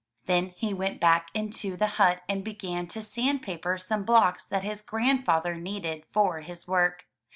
Then he went back into the hut and began to sandpaper some blocks that his grandfather needed for his work.